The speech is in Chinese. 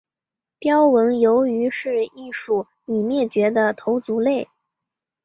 雕纹鱿鱼是一属已灭绝的头足类。